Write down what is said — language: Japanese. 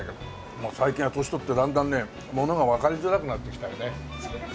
もう最近は年取ってだんだんねものがわかりづらくなってきたよね。